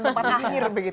bukan tempat akhir begitu